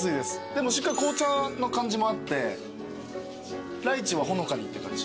でもしっかり紅茶の感じもあってライチはほのかにって感じ。